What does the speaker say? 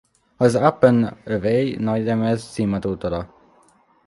Az Up’n Away nagylemez címadó dala.